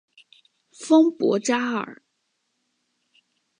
丰博扎尔。